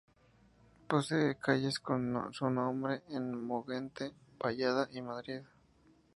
Posee calles con su nombre en Mogente, Vallada y Madrid.